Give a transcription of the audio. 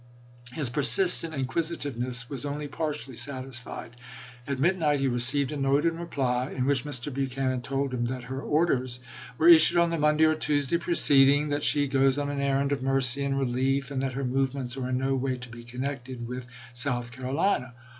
His persistent inquisitiveness was only partially satis fied. At midnight he received a note in reply, in which Mr. Buchanan told him that her orders were issued on the Monday or Tuesday preced ing; that "she goes on an errand of mercy and relief," and that "her movements are in no way connected with South Carolina."